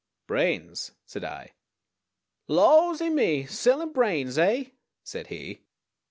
"Brains," said I. "Lawsy me! Sellin' brains, eh?" said he.